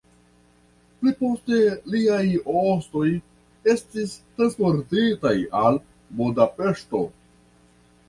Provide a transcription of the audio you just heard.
Pli poste liaj ostoj estis transportitaj al Budapeŝto.